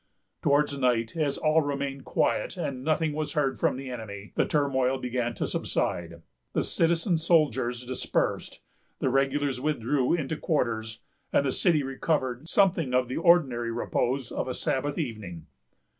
Towards night, as all remained quiet and nothing was heard from the enemy, the turmoil began to subside, the citizen soldiers dispersed, the regulars withdrew into quarters, and the city recovered something of the ordinary repose of a Sabbath evening.